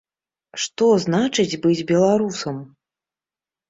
Што значыць быць беларусам?